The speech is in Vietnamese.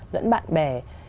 lẫn bạn bè